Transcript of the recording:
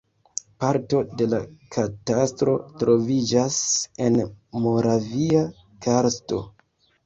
Parto de la katastro troviĝas en Moravia karsto.